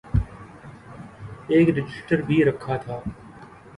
ایک رجسٹر بھی رکھا تھا۔